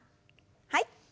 はい。